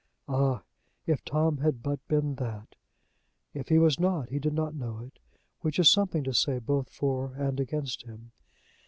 Ah! if Tom had but been that! If he was not, he did not know it, which is something to say both for and against him.